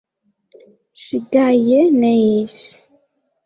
Ŝi gaje neis.